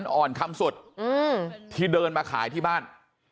อ่อนคำสุดที่เดินมาขายที่บ้าน